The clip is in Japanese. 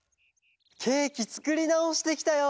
ケーキつくりなおしてきたよ。